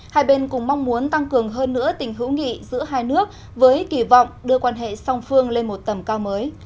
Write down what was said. hai bên cùng mong muốn tăng cường hơn nữa tình hữu nghị giữa hai nước với kỳ vọng đưa quan hệ song phương lên một tầm cao mới